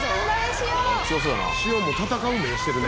しおんも戦う目してるね。